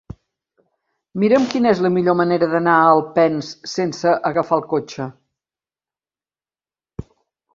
Mira'm quina és la millor manera d'anar a Alpens sense agafar el cotxe.